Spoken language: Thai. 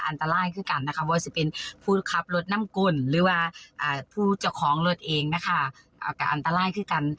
ในการขับรถนั่งนะคะ